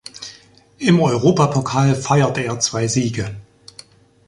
Im Europapokal feierte er zwei Siege.